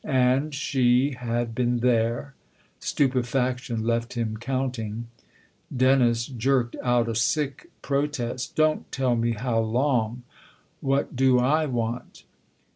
And she had been there Stupefaction left him counting. Dennis jerked out a sick protest. " Don't tell me how long ! What do / want